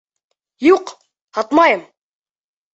Юҡ, һатмайым...